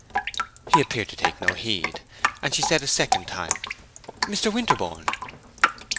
He appeared to take no heed, and she said a second time, "Mr. Winterborne!"